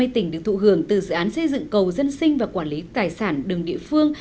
hai mươi tỉnh được thụ hưởng từ dự án xây dựng cầu dân sinh và quản lý tài sản đường địa phương